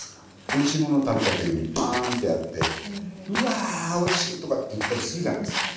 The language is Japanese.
おいしいものを食べたときにパンってやって「うわおいしい！」とかって言ったりするじゃないですか。